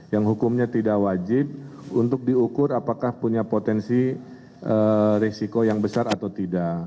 yang hukumnya tidak wajib untuk diukur apakah punya potensi risiko yang besar atau tidak